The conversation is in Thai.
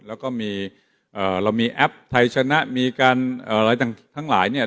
แล้วก็มีเรามีแอปไทยชนะมีการอะไรทั้งหลายเนี่ย